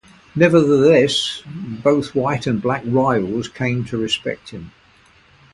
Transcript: Nevertheless, both white and black rivals came to respect him.